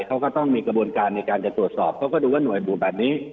เขาก็ต้องมีกระบวนการในการจะตรวจสอบเขาก็ดูว่าหน่วยบูธแบบนี้